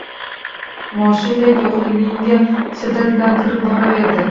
Moshindek yo’qliginga shiddat bilan kirib boraverdi.